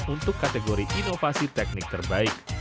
untuk kategori inovasi teknik terbaik